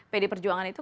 pd perjuangan itu